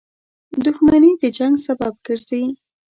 • دښمني د جنګ سبب ګرځي.